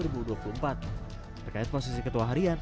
berkait posisi ketua harian